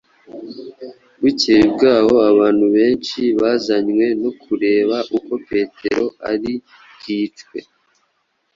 Bukeye bw’aho abantu benshi bazanywe no kureba uko Petero ari bwicwe.